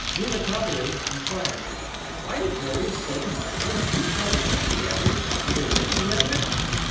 Rouletabille inquired: "Why did Boris say to Michael, 'We will return together'? Do they live together?"